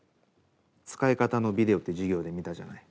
使い方のビデオって授業で見たじゃない。